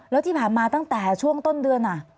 แล้วที่ผ่านมาตั้งแต่ช่วงต้นเดือน